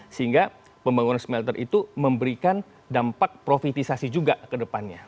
sehingga pembangunan smelter itu memberikan dampak profitisasi juga kedepannya